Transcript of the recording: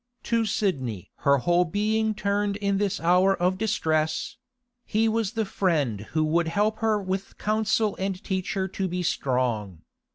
To Sidney her whole being turned in this hour of distress; he was the friend who would help her with counsel and teach her to be strong.